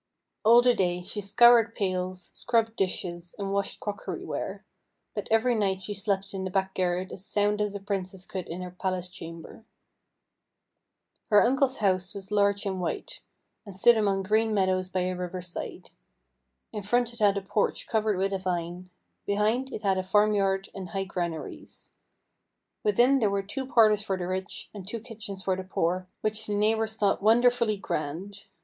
All the day she scoured pails, scrubbed dishes, and washed crockeryware. But every night she slept in the back garret as sound as a Princess could in her palace chamber. Her uncle's house was large and white, and stood among green meadows by a river's side. In front it had a porch covered with a vine; behind, it had a farmyard and high granaries. Within, there were two parlours for the rich, and two kitchens for the poor, which the neighbours thought wonderfully grand.